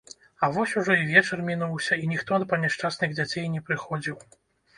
Але вось ужо і вечар мінуўся, і ніхто па няшчасных дзяцей не прыходзіў